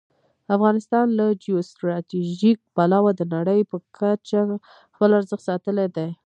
افغانستان له جیو سټراټژيک پلوه د نړۍ په کچه خپل ارزښت ساتلی دی.